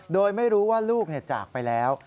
โดยไม่รู้ว่าลูกจากไปแล้ว